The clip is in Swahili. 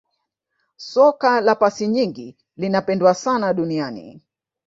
soka la pasi nyingi linapendwa sana duniani